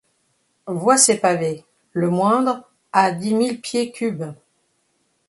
Vois ces pavés ; le moindre a dix mille pieds cubes.